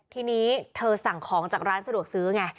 ทีนี้เธอสั่งของจากร้านสะดวกซื้อไง